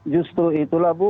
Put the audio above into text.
justru itulah bu